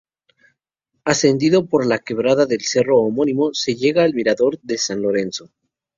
Ascendiendo por la quebrada del cerro homónimo, se llega al mirador de San Lorenzo.